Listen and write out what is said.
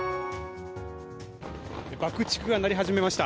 爆竹が鳴り始めました。